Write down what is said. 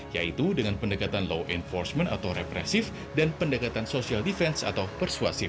yaitu dengan pendekatan law enforcement atau represif dan pendekatan social defense atau persuasif